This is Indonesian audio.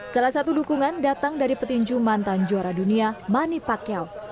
salah satu dukungan datang dari petinju mantan juara dunia mani pakel